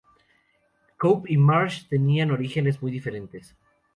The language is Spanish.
Cope y Marsh tenían orígenes muy diferentes.